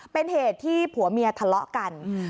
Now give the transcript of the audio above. เป็นเหตุที่ผัวเมียทะเลาะกัน